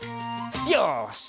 よし。